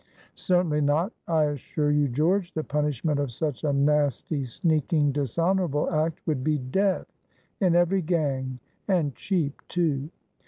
Certainly not; I assure you, George, the punishment of such a nasty, sneaking, dishonorable act would be death in every gang, and cheap, too.